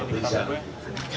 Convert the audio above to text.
satu meninggal dunia